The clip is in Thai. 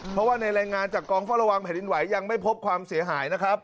เพราะว่าในรายงานจากกองเฝ้าระวังแผ่นดินไหวยังไม่พบความเสียหายนะครับ